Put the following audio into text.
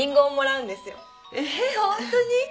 ええホントに？